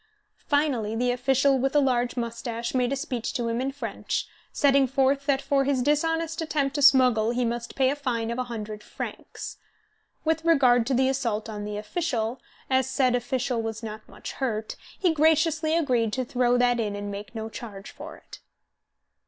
Finally the official with the large moustache made a speech to him in French, setting forth that for his dishonest attempt to smuggle he must pay a fine of a hundred francs. With regard to the assault on the official, as said official was not much hurt, he graciously agreed to throw that in and make no charge for it.